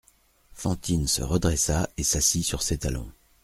Fantine se redressa et s'assit sur ses talons.